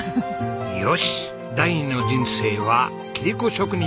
よし第二の人生は切子職人に転身だ！